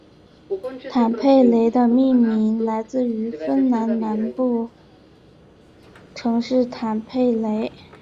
坦佩雷的命名来自于芬兰南部城市坦佩雷。